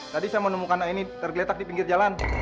tadi saya menemukan ini tergeletak di pinggir jalan